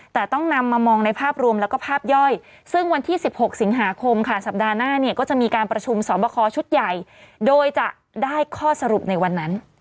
แต่ต้องนำมามองในภาพรวมแล้วก็ภาพย่อยซึ่งวันที่๑๖สิงหาคมค่ะสัปดาห์หน้าเนี่ยก็จะมีการประชุมสอบคอชุดใหญ่โดยจะได้ข้อสรุปในวันนั้น